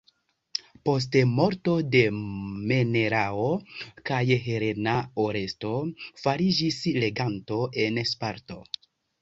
Post morto de Menelao kaj Helena Oresto fariĝis reganto en Sparto.